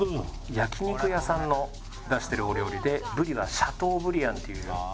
焼き肉屋さんの出してるお料理で「ブリ」はシャトーブリアンっていう肉を。